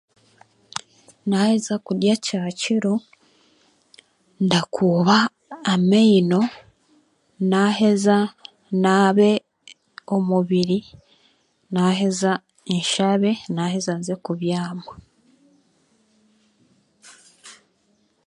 Naheeza kurya kyakiro ndakuuba amaino naheza naabe omubiri, naheza nshabe, naheza nze kubyama.